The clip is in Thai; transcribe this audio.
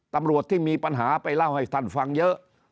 ตำรวจที่มีปัญหาไปเล่าให้ท่านฟังเยอะ